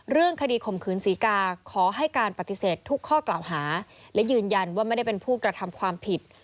เรื่องคดีข่มขืนศรีกาขอให้การปฏิเสธทุกข้อกล่าวหาและยืนยันว่าไม่ได้เป็นผู้กระทำความผิด